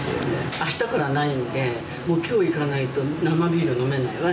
あしたからないんで、もうきょう行かないと、生ビール飲めないわ。